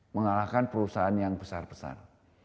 mengalahkan perusahaan yang besar besar